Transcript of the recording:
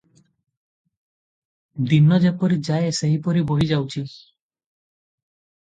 ଦିନ ଯେପରି ଯାଏ ସେହିପରି ବହି ଯାଉଛି ।